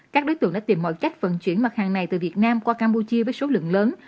các đối tượng đã tìm mọi cách vận chuyển mặt hàng này từ việt nam qua campuchia với số lượng lớn